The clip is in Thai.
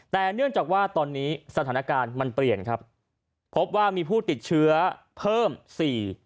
แต่เนื่องจากว่าตอนนี้สถานการณ์มันเปลี่ยนครับพบว่ามีผู้ติดเชื้อเพิ่มสี่